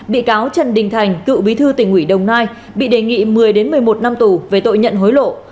bị cáo trần đình thành cựu bí thư tỉnh ủy đồng nai bị đề nghị một mươi một mươi một năm tù về tội nhận hối lộ